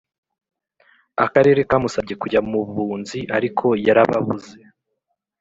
Akarere kamusabye kujya mu bunzi ariko yarababuze